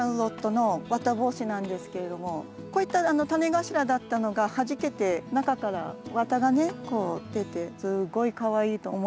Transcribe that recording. ’の綿帽子なんですけれどもこういった種頭だったのがはじけて中から綿がねこう出てすっごいかわいいと思います。